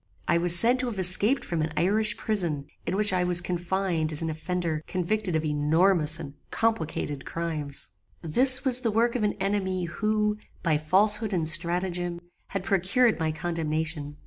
I was said to have escaped from an Irish prison, in which I was confined as an offender convicted of enormous and complicated crimes. "This was the work of an enemy, who, by falsehood and stratagem, had procured my condemnation.